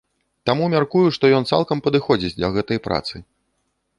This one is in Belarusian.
Таму мяркую, што ён цалкам падыходзіць для гэтай працы.